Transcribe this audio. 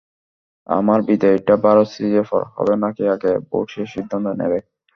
আমার বিদায়টা ভারত সিরিজের পরে হবে নাকি আগে, বোর্ড সেই সিদ্ধান্ত নেবে।